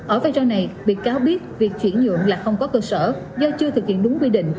ở vai trò này bị cáo biết việc chuyển nhượng là không có cơ sở do chưa thực hiện đúng quy định